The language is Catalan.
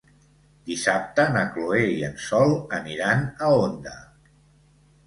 Dissabte na Chloé i en Sol aniran a Onda.